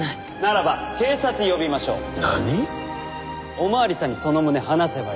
お巡りさんにその旨話せばいい。